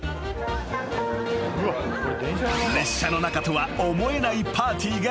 ［列車の中とは思えないパーティーが始まった］